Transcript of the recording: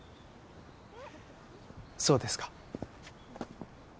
そうですか。